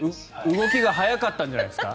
動きが速かったんじゃないですか？